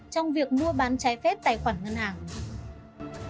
trong việc mua bán trái phép tài khoản ngân hàng